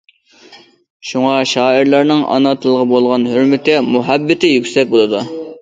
شۇڭا شائىرلارنىڭ ئانا تىلغا بولغان ھۆرمىتى، مۇھەببىتى يۈكسەك بولىدۇ.